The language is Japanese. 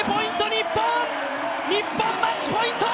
日本、日本、マッチポイント！